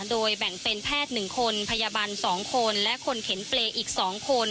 โดยแบ่งเป็นแพทย์๑คนพยาบาล๒คนและคนเข็นเปรย์อีก๒คน